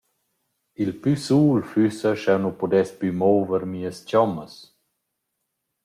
«Il plü sul füssa sch’eu nu pudess plü mouver mias chommas.